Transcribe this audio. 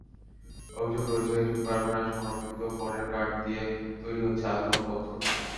অভিযোগ রয়েছে, এসব কারখানায় সংরক্ষিত বনের কাঠ দিয়ে তৈরি হচ্ছে আসবাবপত্র।